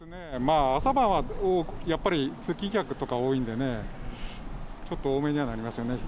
朝晩はやっぱり通勤客とか多いんでね、ちょっと多めにはなりますよね。